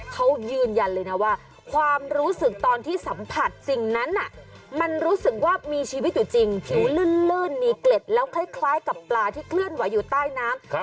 เขายืนยันเลยนะว่าความรู้สึกตอนที่สัมผัสสิ่งนั้นมันรู้สึกว่ามีชีวิตอยู่จริงผิวลื่นมีเกล็ดแล้วคล้ายกับปลาที่เคลื่อนไหวอยู่ใต้น้ำ